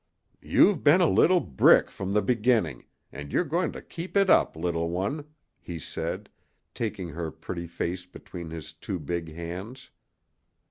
"You've been a little brick from the beginning, and you're going to keep it up, little one," he said, taking her pretty face between his two big hands.